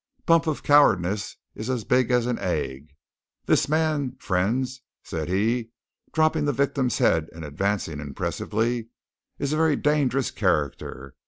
Bump of cowardice is 's big 's an egg. This man, fren's," said he, dropping the victim's head and advancing impressively, "is a very dangerous character.